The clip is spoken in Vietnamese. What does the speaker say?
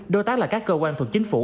đối tác là các cơ quan thuộc chính phủ